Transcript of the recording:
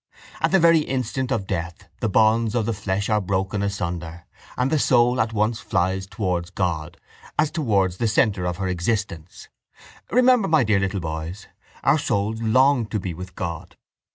At the very instant of death the bonds of the flesh are broken asunder and the soul at once flies towards God as towards the centre of her existence. Remember, my dear little boys, our souls long to be with God.